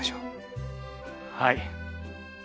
はい！